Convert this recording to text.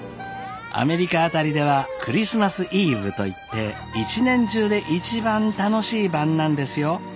アメリカ辺りではクリスマスイーヴといって一年中で一番楽しい晩なんですよ。